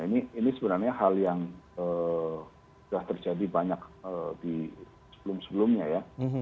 ini sebenarnya hal yang sudah terjadi banyak di sebelum sebelumnya ya